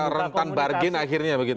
membuka rentan bargin akhirnya begitu ya